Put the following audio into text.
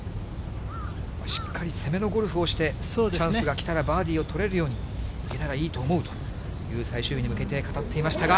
しっかり攻めのゴルフをして、チャンスが来たらバーディーを取れるようにいけたらいいと思うという、最終日に向けて語っていましたが。